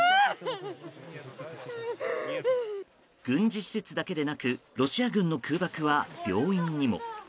軍事施設だけでなくロシア軍の空爆は病院にも。